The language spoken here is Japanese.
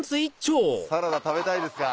サラダ食べたいですか？